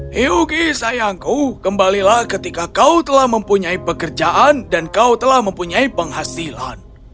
hyuki sayangku kembalilah ketika kau telah mempunyai pekerjaan dan kau telah mempunyai penghasilan